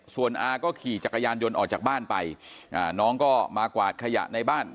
ส่วนอาก็ขี่จักรยานยนต์ออกจากบ้านไปน้องก็มากวาดขยะในบ้าน